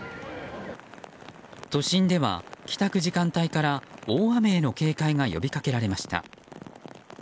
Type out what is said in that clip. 都心では帰宅時間帯から大雨への警戒が呼び掛けられました。